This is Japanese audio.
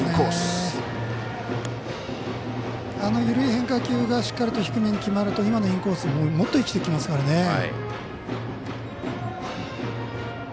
緩い変化球がしっかりと低めにきまると今のインコースももっと生きてきますからね。